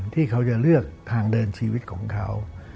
ที่เขาจะเลือกทางเดินชีวิตของเขา